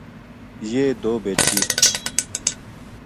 یہ دو بیٹکی